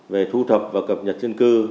về thu thập và cập nhật dân cư